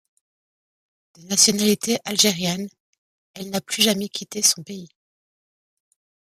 De nationalité algérienne, elle n’a plus jamais quitté son pays.